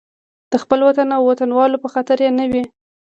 د خپل وطن او وطنوالو په خاطر یې نه وي.